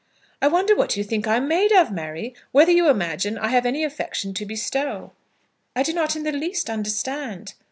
"I wonder what you think I'm made of, Mary; whether you imagine I have any affection to bestow?" "I do not in the least understand."